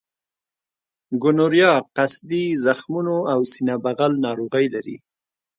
ګونورهیا قصدي زخمونو او سینه بغل ناروغۍ لري.